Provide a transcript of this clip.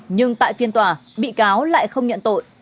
nhưng tại phiên tòa bị cáo lại không nhận tội